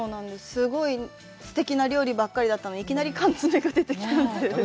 すごいすてきな料理ばかりだったので、いきなり缶詰が出てきたんで。